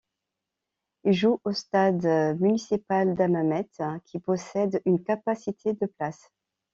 Il joue au stade municipal d'Hammamet qui possède une capacité de places.